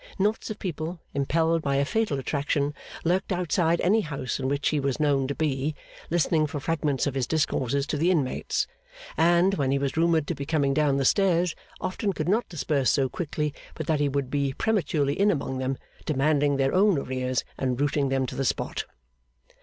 Knots of people, impelled by a fatal attraction, lurked outside any house in which he was known to be, listening for fragments of his discourses to the inmates; and, when he was rumoured to be coming down the stairs, often could not disperse so quickly but that he would be prematurely in among them, demanding their own arrears, and rooting them to the spot.